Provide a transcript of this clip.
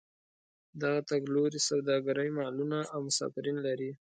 دغه تګ لوري سوداګرۍ مالونه او مسافرین لري.